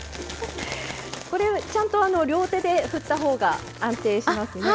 ちゃんと両手で振ったほうが安定しますね。